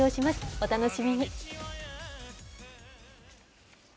お楽しみに。